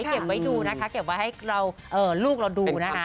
เก็บไว้ดูนะคะเก็บไว้ให้ลูกเราดูนะคะ